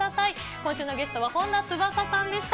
今週のゲストは本田翼さんでした。